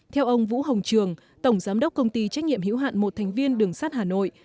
theo ông vũ hồng trường tổng giám đốc công ty trách nhiệm hiểu hạn một thành viên đường sắt hà nội